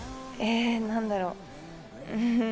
何だろう。